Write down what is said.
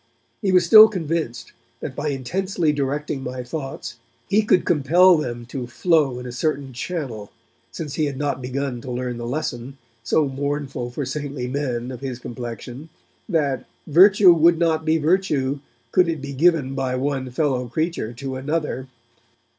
He was still convinced that by intensely directing my thoughts, he could compel them to flow in a certain channel, since he had not begun to learn the lesson, so mournful for saintly men of his complexion, that 'virtue would not be virtue, could it be given by one fellow creature to another'.